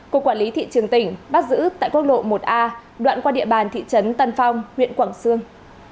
cục quản lý thị trường tỉnh bắt giữ tại quốc lộ một a đoạn qua địa bàn thị trấn tân phong huyện quảng sương